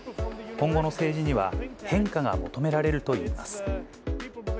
今後の政治には、変化が求められるといいます。